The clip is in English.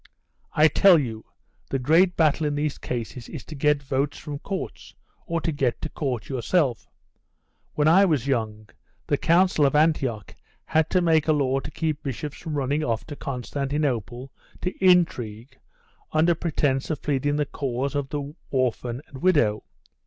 I tell you, the great battle in these cases is to get votes from courts, or to get to court yourself. When I was young, the Council of Antioch had to make a law to keep bishops from running off to Constantinople to intrigue, under pretence of pleading the cause of the orphan and widow.